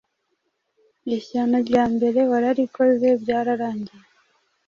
ishyano rya mbere wararikoze byararangiye.